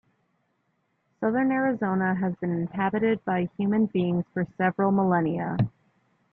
Southern Arizona has been inhabited by human beings for several millennia.